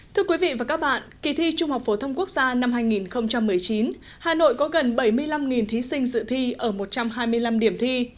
thưa quý vị và các bạn kỳ thi trung học phổ thông quốc gia năm hai nghìn một mươi chín hà nội có gần bảy mươi năm thí sinh dự thi ở một trăm hai mươi năm điểm thi